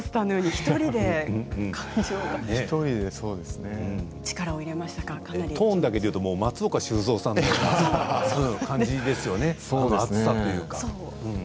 １人でトーンだけでいうと松岡修造さんみたいな感じですよね、熱さというか。